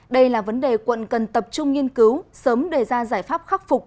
đây là vấn đề quận cần tập trung nghiên cứu sớm đề ra giải pháp khắc phục